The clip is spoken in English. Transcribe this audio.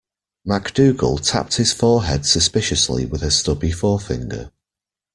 MacDougall tapped his forehead suspiciously with a stubby forefinger.